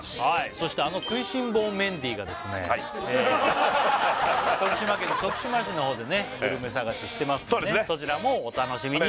そしてあの食いしん坊メンディーが徳島県徳島市のほうでねグルメ探ししてますのでそちらもお楽しみに！